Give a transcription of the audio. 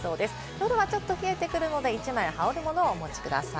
夜はちょっと冷えてくるので１枚、羽織るものをお待ちください。